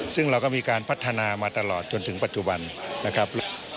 ซึ่งเราก็มีการพัฒนามาตลอดจนถึงปัจจุบันนะครับ